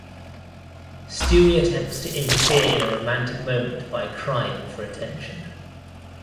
Stewie attempts to interfere in a romantic moment by crying for attention.